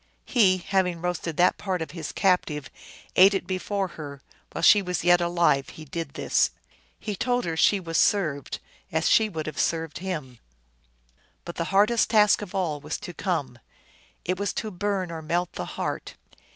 He, having roasted that part of his captive, ate it before her ; while she was yet alive he did this. He told her she was served as she would have served him. But the hardest task of all was to come. It was to burn or melt the heart.